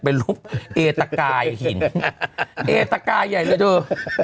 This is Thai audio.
เป็นรูปเอตะกายหินเอตะกายใหญ่เลยเถอะ